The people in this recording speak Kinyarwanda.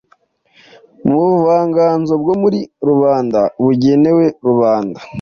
mubuvanganzo bwo muri rubanda bugenewe rubanda,